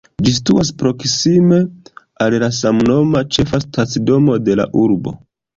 Ĝi situas proksime al la samnoma, ĉefa stacidomo de la urbo.